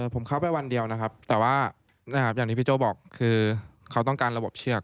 ผมเข้าไปวันเดียวนะครับแต่ว่าอย่างที่พี่โจ้บอกคือเขาต้องการระบบเชือก